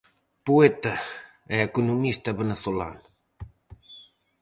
Poeta e economista venezolano.